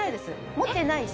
持ってないし。